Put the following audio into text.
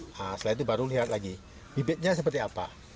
nah setelah itu baru lihat lagi bibitnya seperti apa